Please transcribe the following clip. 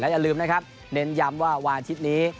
และอย่าลืมนะครับเน้นย้ำว่าวานที่นี้